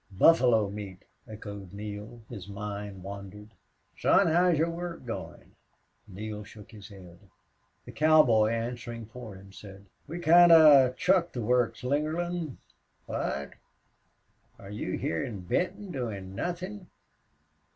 "Buffalo meat," echoed Neale. His mind wandered. "Son, how's your work goin'?" Neale shook his head. The cowboy, answering for him, said, "We kind of chucked the work, Slingerland." "What? Are you hyar in Benton, doin' nothin'?"